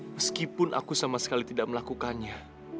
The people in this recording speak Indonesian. meskipun aku sama sekali tidak melakukannya